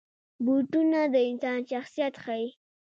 بوټونه د انسان شخصیت ښيي.